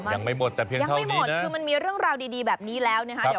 ยังไม่หมดแต่เพียงยังไม่หมดคือมันมีเรื่องราวดีแบบนี้แล้วนะคะ